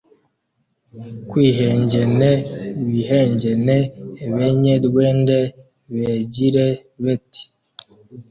Kwihengene wihengene Ebenyerwende begire beti